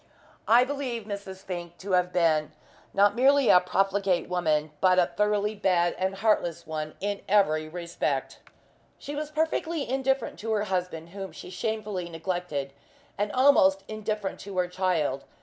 I believe Mrs. Fink to have been not merely a profligate woman, but a thoroughly bad and heartless one in every respect. She was perfectly indifferent to her husband, whom she shamefully neglected, and almost indifferent to her child.